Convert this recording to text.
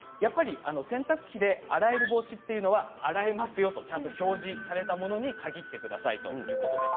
洗濯機で洗える帽子というのは洗えますよと表示されたものに限ってくださいということです。